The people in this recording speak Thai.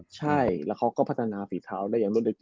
ใช่แล้วเขาก็พัฒนาฝีเท้าได้อย่างรวดลึก